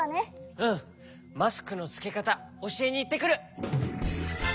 うんマスクのつけかたおしえにいってくる。